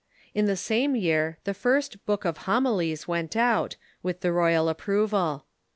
In the same year the first "Book of Homilies " went out, with the royal approval.